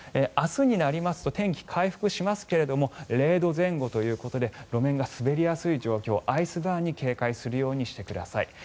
明日になりますと天気は回復しますけど０度前後ということで路面が滑りやすい状況アイスバーンに警戒するようにしてください。